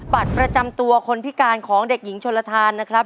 บัตรประจำตัวคนพิการของเด็กหญิงชนลทานนะครับ